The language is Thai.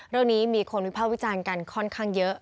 เรื่องนี้มีคนวิภาควิจารณ์กันค่อนข้างเยอะ